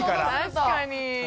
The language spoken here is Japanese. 確かに。